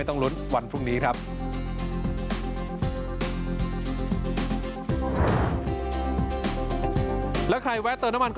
โทษภาพชาวนี้ก็จะได้ราคาใหม่